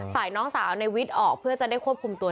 ฝ่ายน้องสาวในวิทย์ออกเพื่อจะได้ควบคุมตัว